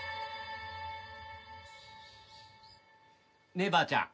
ねえばあちゃん。